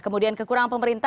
kemudian kekurangan pemerintah